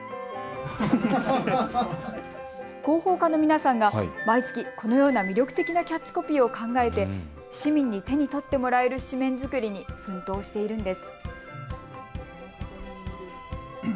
広報課の皆さんが毎月このような魅力的なキャッチコピーを考えて市民に手に取ってもらえる紙面作りに奮闘しているんです。